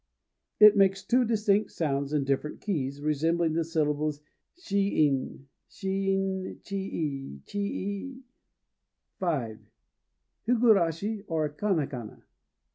It makes two distinct sounds in different keys, resembling the syllables shi in, shin chi i, chi i. V. HIGURASHI, OR "KANA KANA."